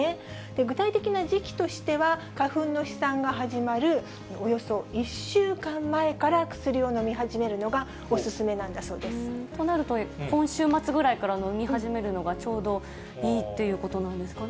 具体的な時期としては、花粉の飛散が始まるおよそ１週間前から薬を飲み始めるのがお勧めとなると、今週末ぐらいから飲み始めるのがちょうどいいっていうことなんですかね。